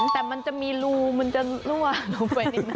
แต่มันจะมีรูมันจะรั่วลงไปนิดนึ